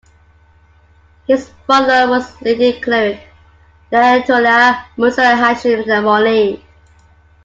His father was a leading cleric, Ayatollah Mirza Hashem Amoli.